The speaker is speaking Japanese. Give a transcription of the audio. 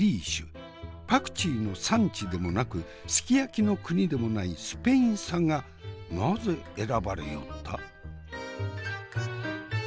パクチーの産地でもなくすき焼きの国でもないスペイン産がなぜ選ばれよった？